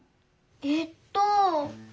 えっと。